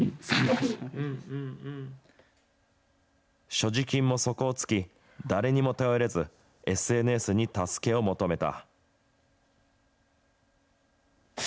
所持金も底を尽き、誰にも頼れず、ＳＮＳに助けを求めた。